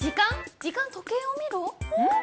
時間、時計を見ろ？